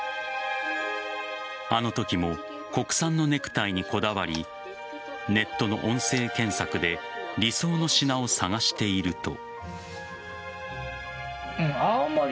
あのときも国産のネクタイにこだわりネットの音声検索で理想の品を探していると。